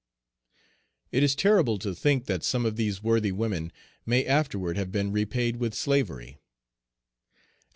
It is terrible to think that some of these worthy women may afterward have been repaid with slavery.